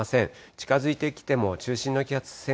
近づいてきても中心の気圧１０００